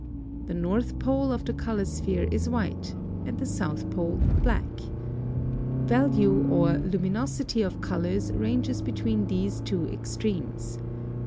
(25) The north pole of the color sphere is white, and the south pole black. Value or luminosity of colors ranges between these two extremes.